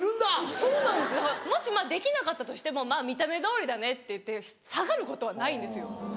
そうなんですもしできなかったとしても見た目どおりだねっていって下がることはないんですよ。